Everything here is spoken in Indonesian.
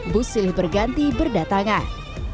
busilih berganti berdatangan